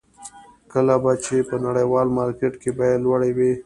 کله به چې په نړیوال مارکېټ کې بیې لوړې وې.